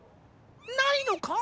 ないのか？